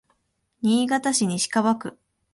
新潟市西蒲区